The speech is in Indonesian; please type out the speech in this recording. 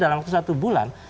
dalam waktu satu bulan